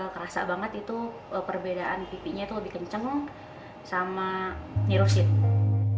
kerasa banget itu perbedaan hifunya itu lebih kenceng sama nirus ini